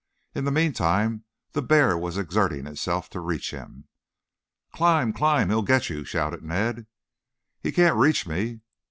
In the meantime the bear was exerting itself to reach him. "Climb, climb! He'll get you!" shouted Ned. "He can't reach me."